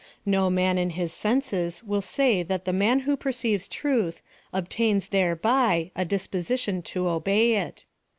No man in his senses will say that the man who perceives truth obtains thereby a disposition to obey it.